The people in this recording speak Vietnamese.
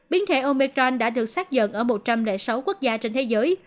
biến thể omicron đã được xác dựng ở một trăm linh sáu quốc gia trên thế giới